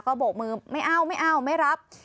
ก็โบกมือไม่เอาไม่เอาไม่รับ